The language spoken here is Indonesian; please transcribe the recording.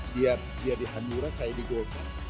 dia dihanjurah saya di golkan